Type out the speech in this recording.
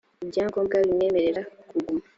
ibyangombwa bimwemerera kuguma